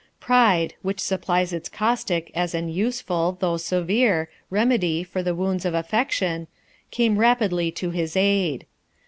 Pride, which supplies its caustic as an useful, though severe, remedy for the wounds of affection, came rapidly to his aid.